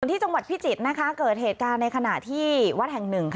ที่จังหวัดพิจิตรเกิดเหตุการณ์ในขณะที่วัดแห่งหนึ่ง